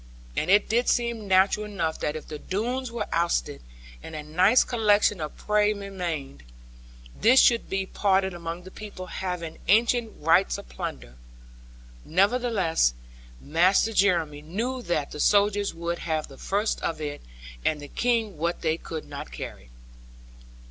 And it did seem natural enough that if the Doones were ousted, and a nice collection of prey remained, this should be parted among the people having ancient rights of plunder. Nevertheless, Master Jeremy knew that the soldiers would have the first of it, and the King what they could not carry.